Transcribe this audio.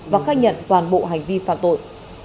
và khai nhận toàn bộ hành vi phạm tội